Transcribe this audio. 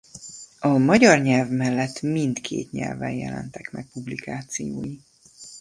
A magyar nyelv mellett mindkét nyelven jelentek meg publikációi.